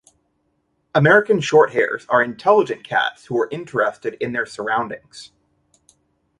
American Shorthairs are intelligent cats who are interested in their surroundings.